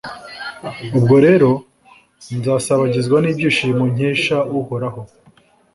Ubwo rero nzasabagizwa n’ibyishimo nkesha Uhoraho